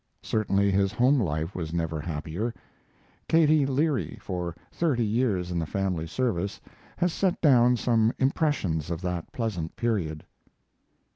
Certainly his home life was never happier. Katie Leary, for thirty years in the family service, has set down some impressions of that pleasant period.